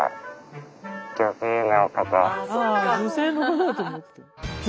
女性の方だと思った。